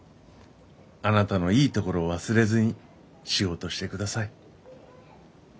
あなたのいいところを忘れずに仕事してください。